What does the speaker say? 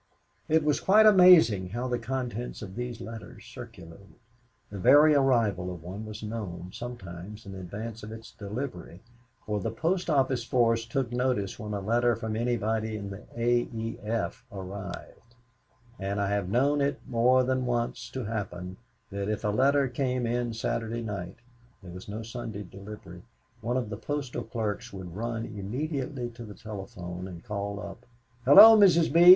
It was quite amazing how the contents of these letters circulated. The very arrival of one was known, sometimes, in advance of its delivery, for the post office force took notice when a letter from anybody in the A. E. F. arrived, and I have known it more than once to happen that if a letter came in Saturday night there was no Sunday delivery one of the postal clerks would run immediately to the telephone and call up, "Hello, Mrs. B.